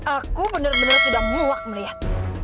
aku bener bener sudah muak melihat